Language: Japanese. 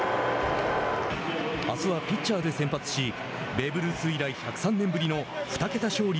あすはピッチャーで先発しベーブ・ルース以来１０３年ぶりの２桁勝利